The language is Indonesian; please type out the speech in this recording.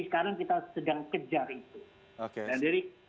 sekarang kita sedang kejar itu